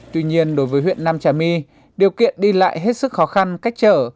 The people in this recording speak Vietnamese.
tuy nhiên đối với huyện nam trà my điều kiện đi lại hết sức khó khăn cách trở